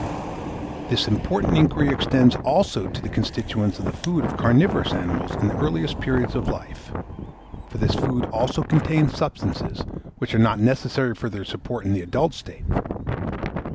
This important inquiry extends also to the constituents of the food of carnivorous animals in the earliest periods of life; for this food also contains substances, which are not necessary for their support in the adult state.